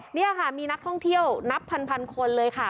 นี่ค่ะมีนักท่องเที่ยวนับพันคนเลยค่ะ